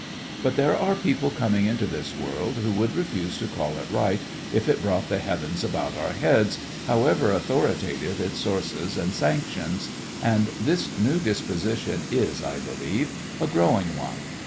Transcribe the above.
But there are people coming into this world who would refuse to call it Right if it brought the heavens about our heads, however authoritative its sources and sanctions, and this new disposition is, I believe, a growing one.